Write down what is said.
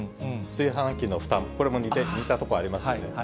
炊飯器のふた、これも似たところありますよね。